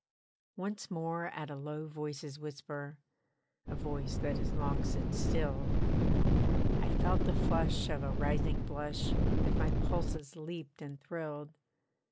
Once more at a low voice's whisper (A voice that is long since stilled) I felt the flush of a rising blush, And my pulses leaped and thrilled.